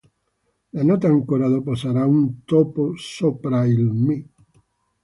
La nota ancora dopo sarà un tono sopra il Mi.